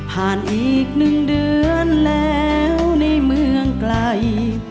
ผ่านอีกหนึ่งเดือนแล้วในเมืองไกล